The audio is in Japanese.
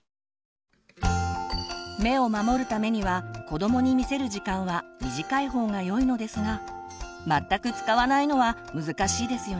目を守るためには子どもに見せる時間は短い方がよいのですが全く使わないのは難しいですよね。